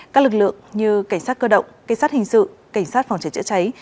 các lực lượng như cảnh sát cơ động cảnh sát hình sự cảnh sát phòng cháy chữa cháy